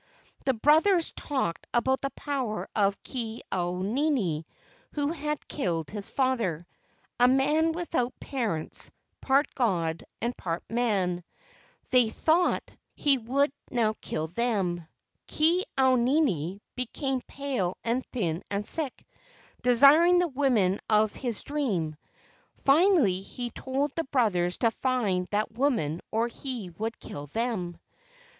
The brothers talked about the power of Ke au nini who had killed his father, a man without parents, part god and part man. They thought 176 LEGENDS OF GHOSTS he would now kill them. Ke au nini became pale and thin and sick, desiring the woman of his dream. Finally he told the brothers to find that woman or he would kill them.